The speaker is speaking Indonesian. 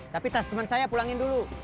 tapi testament saya pulangin dulu